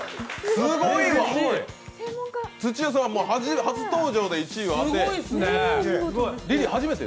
すごいわ、土屋さん、初登場で１位を当て、リリー初めて？